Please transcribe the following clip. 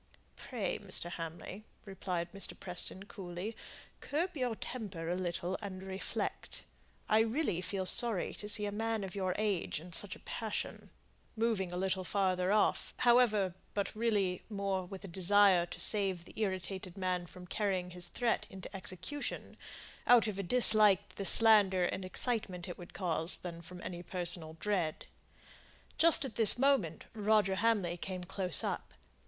"Pray, Mr. Hamley," replied Mr. Preston, coolly, "curb your temper a little, and reflect. I really feel sorry to see a man of your age in such a passion:" moving a little farther off, however, but really more with a desire to save the irritated man from carrying his threat into execution, out of a dislike to the slander and excitement it would cause, than from any personal dread. Just at this moment Roger Hamley came close up.